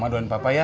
mama doain papa ya